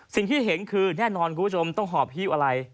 สิ่งที่เห็นคือแน่นอนคุณผู้ชมต้องหอบฮิ้วอะไร